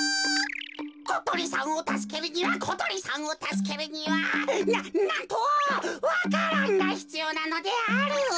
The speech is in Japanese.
ことりさんをたすけるにはことりさんをたすけるにはななんとわか蘭がひつようなのである。